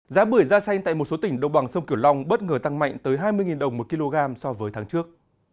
giá bưởi da xanh tại một số tỉnh đồng bằng sông kiểu long bất ngờ tăng mạnh tới hai mươi đồng một kg so với tháng trước